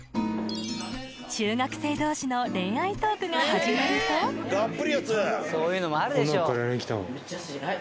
中学生同士の恋愛トークが始まるとはい？